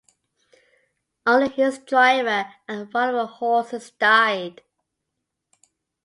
Only his driver and one of the horses died.